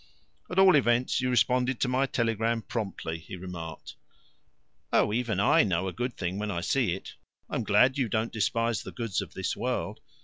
"At all events you responded to my telegram promptly," he remarked. "Oh, even I know a good thing when I see it." "I'm glad you don't despise the goods of this world."